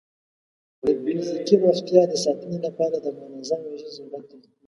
د فزیکي روغتیا د ساتنې لپاره د منظم ورزش ضرورت دی.